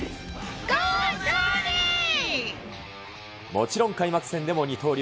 もちろん、開幕戦でも二刀流。